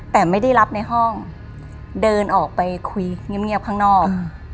แต่ไม่ได้รับในห้องเดินออกไปคุยเงียบข้างนอก